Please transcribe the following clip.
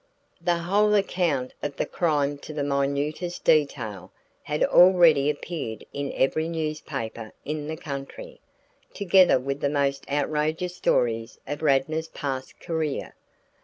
The whole account of the crime to the minutest detail, had already appeared in every newspaper in the country, together with the most outrageous stories of Radnor's past career.